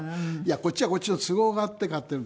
こっちはこっちの都合があって買ってるの。